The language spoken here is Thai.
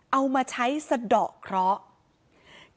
เอามาใช้สะดอกเคราะห์